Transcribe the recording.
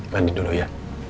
mandi dulu ya